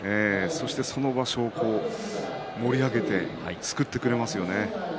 そしてその場所を盛り上げて救ってくれますよね。